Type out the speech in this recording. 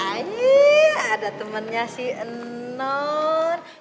aiee ada temennya si enon